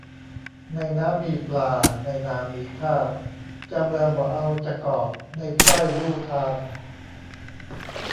ในน้ำมีปลาในนามีข้าว เจ้าเมืองบ่เอาจกอบในไพร่ลู่ทาง